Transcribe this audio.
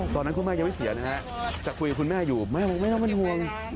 ตอนนั้นคุณแม่ยังไม่เสียแต่คุณแม่อยู่แม่บอกว่าแม่น้องมันห่วง